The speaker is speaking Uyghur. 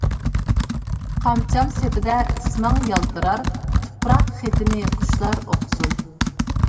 قامچام سېپىدە ئىسمىڭ يالتىرار، تۇپراق خېتىنى قۇشلار ئوقۇسۇن.